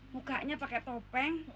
mukanya pakai topeng